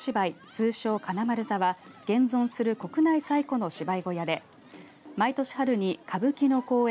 通称金丸座は現存する国内最後の芝居小屋で毎年春に歌舞伎の公演